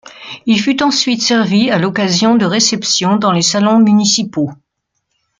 Il fut ensuite servi à l'occasion de réceptions dans les salons municipaux.